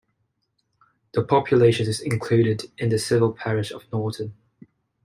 The population is included in the civil parish of Norton.